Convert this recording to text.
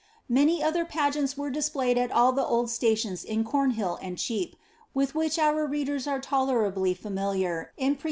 Many other pageants were displayed at all the old stations in Corn hill and Chepe, with which our readers are tolerably familiar in pre ■Holinshed.